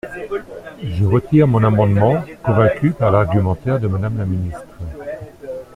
Je retire mon amendement, convaincue par l’argumentaire de Madame la ministre.